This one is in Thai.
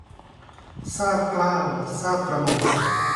ทราบเกล้าทราบกระหม่อม